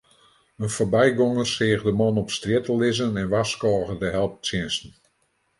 In foarbygonger seach de man op strjitte lizzen en warskôge de helptsjinsten.